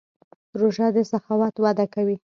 روژه د سخاوت وده کوي.